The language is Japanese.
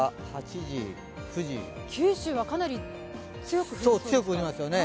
九州はかなり強くなりますね。